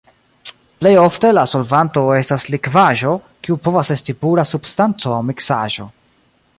Plej ofte, la solvanto estas likvaĵo, kiu povas esti pura substanco aŭ miksaĵo.